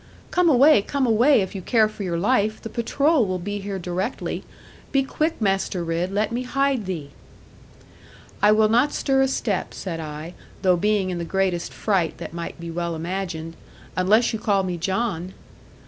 'Come away, come away, if you care for life. The patrol will be here directly. Be quick, Master Ridd, let me hide thee.' 'I will not stir a step,' said I, though being in the greatest fright that might be well imagined,' unless you call me "John."'